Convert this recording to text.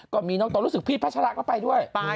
ก็มีน้องต่อรู้สึกพี่พระชะละก็ไปด้วย